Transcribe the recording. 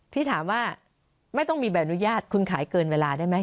พี่ถามว่าไม่ต้องมีใบอนุญาตคุณขายเกินเวลาได้ไหม